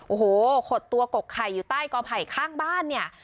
โอ้โหขดตัวกกไข่อยู่ใต้กอไผ่ข้างบ้านเนี่ย